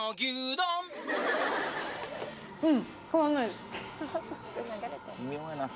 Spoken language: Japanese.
うん変わんないです